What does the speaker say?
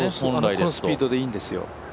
このスピードでいいんですよ。